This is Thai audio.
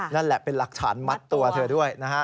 นั่นแหละเป็นหลักฐานมัดตัวเธอด้วยนะฮะ